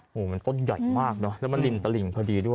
โอ้โหมันต้นใหญ่มากเนอะแล้วมันริมตลิ่งพอดีด้วย